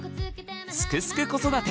「すくすく子育て」